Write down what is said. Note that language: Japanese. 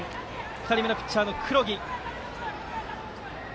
２人目のピッチャーの黒木。